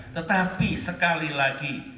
tetapi sekali lagi